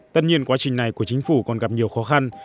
tất nhiên quá trình này của chính phủ còn gặp nhiều khó khăn